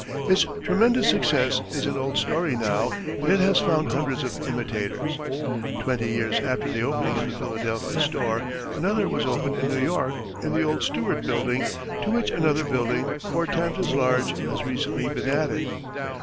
Its tremendous success is an old story now, and it has found hundreds of imitators. Twenty years after the opening of the Philadelphia store, another was opened in New York in the old Stewart building, to which another building, four times as large, has recently been added.